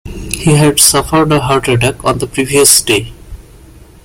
He had suffered a heart attack on the previous day.